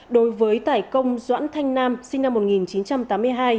đối với tải công doãn thanh nam sinh năm một nghìn chín trăm tám mươi hai